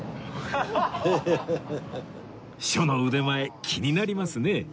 書の腕前気になりますね